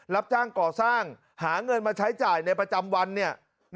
รับจ้างก่อสร้างหาเงินมาใช้จ่ายในประจำวันเนี่ย